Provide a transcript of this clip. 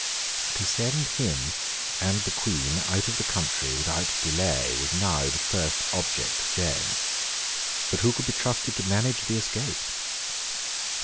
To send him and the Queen out of the country without delay was now the first object of James. But who could be trusted to manage the escape?